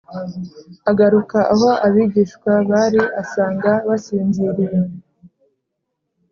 Agaruka aho abigishwa bari asanga basinziriye